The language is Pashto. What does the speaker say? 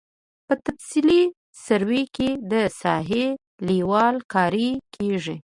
په تفصیلي سروې کې د ساحې لیول کاري کیږي